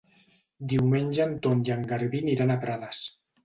Diumenge en Ton i en Garbí aniran a Prades.